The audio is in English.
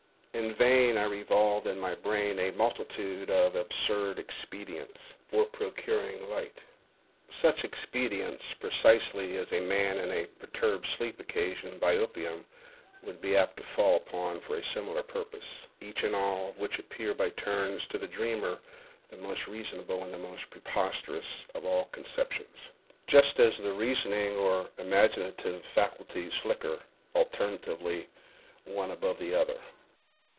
In vain I revolved in my brain a multitude of absurd expedients for procuring light—such expedients precisely as a man in the perturbed sleep occasioned by opium would be apt to fall upon for a similar purpose—each and all of which appear by turns to the dreamer the most reasonable and the most preposterous of conceptions, just as the reasoning or imaginative faculties flicker, alternately, one above the other.